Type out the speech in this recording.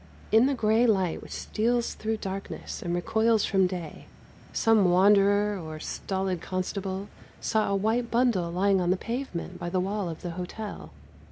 In the grey light which steals through darkness and recoils from day, some wanderer or stolid constable saw a white bundle lying on the pavement by the wall of the hotel.